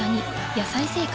「野菜生活」